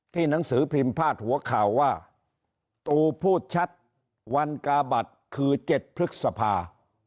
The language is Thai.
หนังสือพิมพ์พาดหัวข่าวว่าตูพูดชัดวันกาบัตรคือ๗พฤษภา